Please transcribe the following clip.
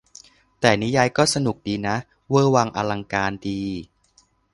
แต่นิยายก็สนุกดีนะ เวอร์วังอลังการดี